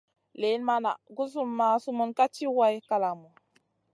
Lìna ma na guzumah sumun ka ci way kalamu.